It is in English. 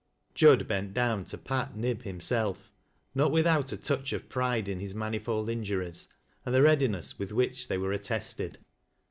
Jud bent down to pat Nib himself, not without a touch of pride in his manifold injuries, and the readiness witt which they were attested.